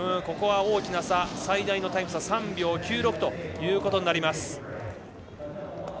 ここは大きな差、最大タイム差３秒９６ということになります。